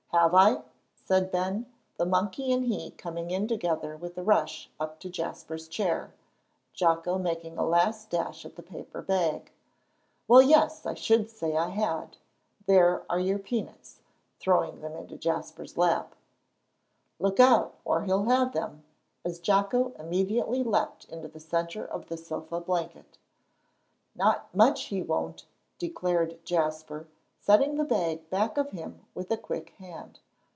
"Have I?" said Ben, the monkey and he coming in together with a rush up to Jasper's chair, Jocko making a last dash at the paper bag; "well, yes, I should say I had. There are your peanuts," throwing them into Jasper's lap. "Look out, or he'll have them," as Jocko immediately leaped into the centre of the sofa blanket. "Not much he won't," declared Jasper, setting the bag back of him with a quick hand.